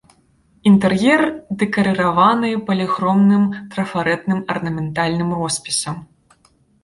Інтэр'ер дэкарыраваны паліхромным трафарэтным арнаментальным роспісам.